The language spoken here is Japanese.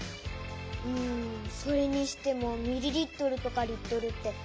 うんそれにしてもミリリットルとかリットルって。